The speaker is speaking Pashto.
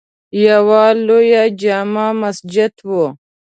یوه لویه جامع مسجد وه.